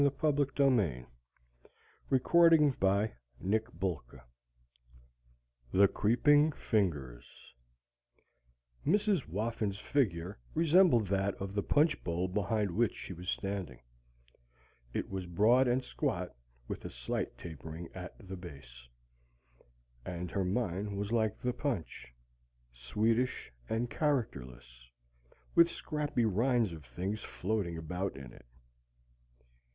THE CREEPING FINGERS [Illustration: Decorative letter "M"] Mrs. Whoffin's figure resembled that of the punch bowl behind which she was standing: it was broad and squat, with a slight tapering at the base. And her mind was like the punch: sweetish and characterless, with scrappy rinds of things floating about in it.